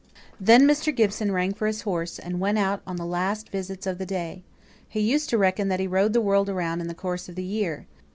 Then Mr. Gibson rang for his horse, and went out on the last visits of the day. He used to reckon that he rode the world around in the course of the year.